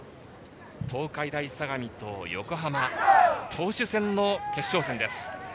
東海大相模と横浜投手戦の決勝戦です。